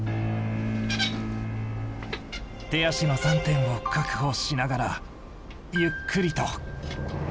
手足の三点を確保しながらゆっくりと。